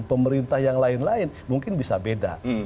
pemerintah yang lain lain mungkin bisa beda